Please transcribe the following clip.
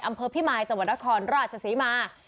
อำเภอพิมายจังหวัดนครราชศรีมา